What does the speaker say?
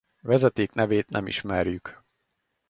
Vezetéknevét nem ismerjük.